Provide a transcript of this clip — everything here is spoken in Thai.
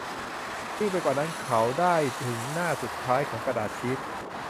ยิ่งไปกว่านั้น เขาได้าถึงหน้าสุดท้ายของกระดาษชีท